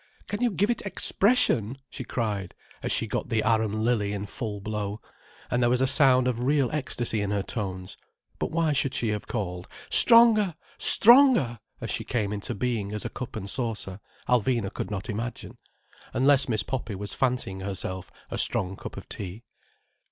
"Can you give it expression?" she cried, as she got the arum lily in full blow, and there was a sound of real ecstasy in her tones. But why she should have called "Stronger! Stronger!" as she came into being as a cup and saucer, Alvina could not imagine: unless Miss Poppy was fancying herself a strong cup of tea.